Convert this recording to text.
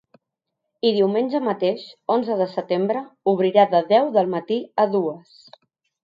I diumenge mateix, onze de setembre, obrirà de deu del matí a dues.